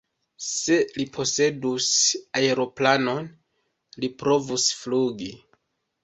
Se li posedus aeroplanon, li provus flugi.